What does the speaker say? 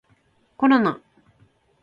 コロナ